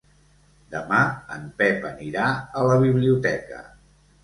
Demà en Pep anirà a la biblioteca.